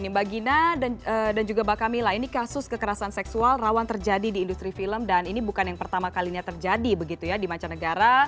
mbak gina dan juga mbak camilla ini kasus kekerasan seksual rawan terjadi di industri film dan ini bukan yang pertama kalinya terjadi begitu ya di mancanegara